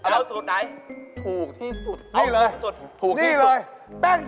เอาสูตรไหนถูกที่สุดเอาถูกที่สุดถูกที่สุดนี่เลย